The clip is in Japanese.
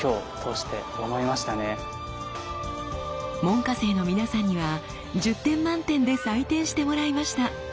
門下生の皆さんには１０点満点で採点してもらいました。